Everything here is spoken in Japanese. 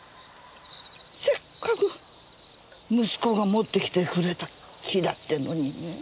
せっかく息子が持ってきてくれた木だってのにねぇ。